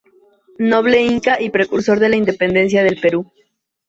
Noble inca y precursor de la independencia del Perú.